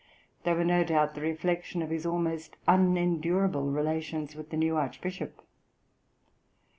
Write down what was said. They were no doubt the reflection of his almost unendurable relations with the new Archbishop.